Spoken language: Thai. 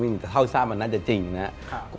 แต่เท่าที่ทราบมันน่าจะจริงนะครับ